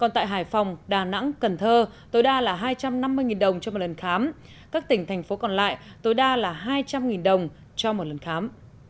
còn tại hải phòng đà nẵng cần thơ tối đa là hai trăm năm mươi đồng cho một lần khám các tỉnh thành phố còn lại tối đa là hai trăm linh đồng cho một lần khám